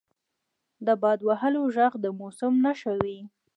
• د باد وهلو ږغ د موسم نښه وي.